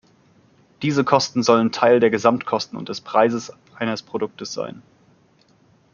Diese Kosten sollen Teil der Gesamtkosten und des Preises eines Produktes sein.